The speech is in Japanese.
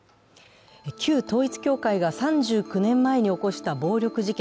旧統一教会が３９年前に起こした暴力事件。